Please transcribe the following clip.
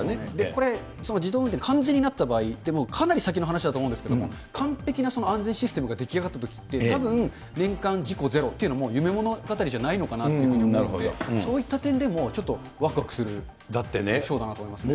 これ、自動運転完全になった場合、かなり先の話だと思うんですけれども、完璧な安全システムが出来上がったときって、たぶん、年間事故ゼロっていうのも、もう夢物語じゃないのかなというふうに思って、そういった点でもちょっとわくわくするショーかなと思いますね。